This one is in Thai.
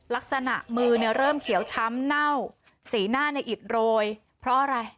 ลักษณะมือเนี่ยเริ่มเขียวช้ำเน่าสีหน้าเนี่ยอิดโรยเพราะอะไร